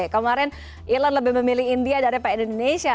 kemarin elon lebih memilih india daripada indonesia